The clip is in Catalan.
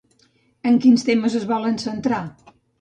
En quins temes es volen centrar?